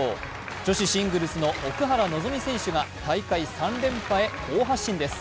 女子シングルスの奥原希望選手が大会３連覇へ好発進です。